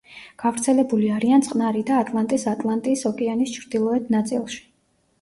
გავრცელებული არიან წყნარი და ატლანტის ატლანტის ოკეანის ჩრდილოეთ ნაწილში.